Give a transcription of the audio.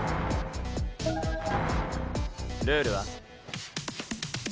ルールは？